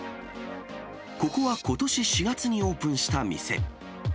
ここはことし４月にオープンした店。